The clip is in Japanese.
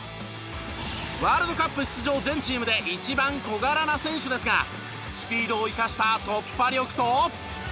ワールドカップ出場全チームで一番小柄な選手ですがスピードを生かした突破力と。